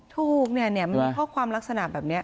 ถูกเนี่ยเนี่ยเพราะความลักษณะแบบนี้